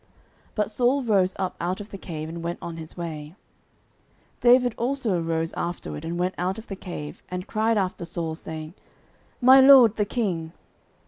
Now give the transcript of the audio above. But Saul rose up out of the cave, and went on his way. 09:024:008 David also arose afterward, and went out of the cave, and cried after Saul, saying, My lord the king.